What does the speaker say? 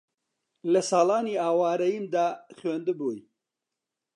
لە ساڵانی ئاوارەییمدا خوێندبووی